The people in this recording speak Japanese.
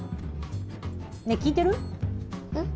ねえ聞いてる？ん？